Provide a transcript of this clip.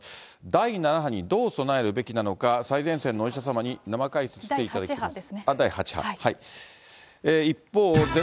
第７波にどう備えるべきなのか、最前線のお医者様に生解説していただきます。